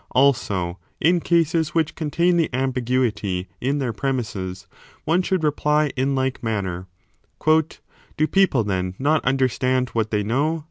Also, in cases which contain the ambiguity in their premisses, one should reply in like manner : Do people then not understand what they know